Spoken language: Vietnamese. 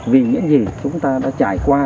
vì những gì chúng ta đã trải qua